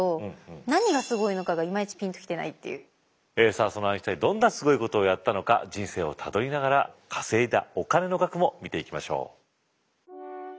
さあそのアインシュタインどんなすごいことをやったのか人生をたどりながら稼いだお金の額も見ていきましょう。